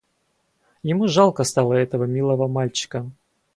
Ему жалко стало этого милого мальчика.